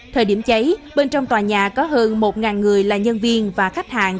thời điểm cháy bên trong tòa nhà có hơn một người là nhân viên và khách hàng